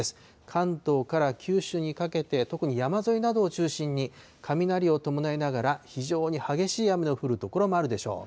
関東から九州にかけて、特に山沿いなどを中心に、雷を伴いながら非常に激しい雨の降る所もあるでしょう。